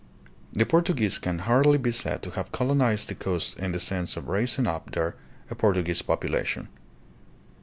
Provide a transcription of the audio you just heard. The Portuguese can hardly be said to have colonized the coast in the sense of raising up there a Portuguese population.